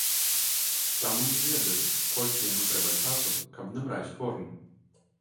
Таму не ведаю, колькі яму трэба часу, каб набраць форму.